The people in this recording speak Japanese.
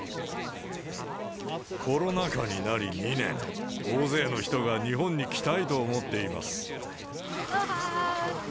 コロナ禍になり２年、大勢の人が日本に来たいと思っています。